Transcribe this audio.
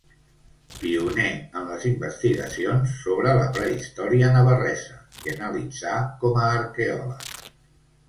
Pioner en les investigacions sobre la prehistòria navarresa que analitzà com a arqueòleg.